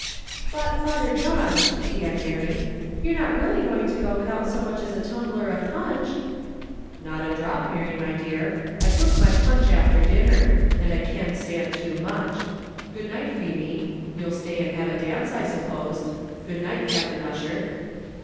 "But, Father John," began Mary, "you're not really going to go without so much as a tumbler of punch?" "Not a drop, Mary, my dear; I took my punch after dinner and I can't stand too much. Good night, Feemy you'll stay and have a dance I suppose; good night, Captain Ussher."